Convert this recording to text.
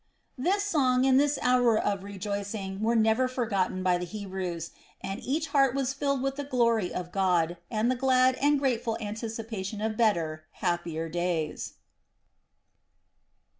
This song and this hour of rejoicing were never forgotten by the Hebrews, and each heart was filled with the glory of God and the glad and grateful anticipation of better, happier days.